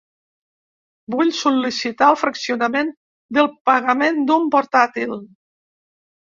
Vull sol·licitar el fraccionament del pagament d'un portàtil.